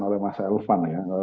oleh mas elvan ya